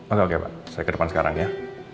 oke oke pak saya ke depan sekarang ya